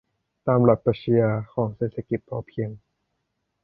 ตามหลักปรัชญาของเศรษฐกิจพอเพียง